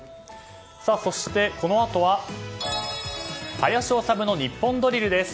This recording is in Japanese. そして、このあとは「林修のニッポンドリル」です。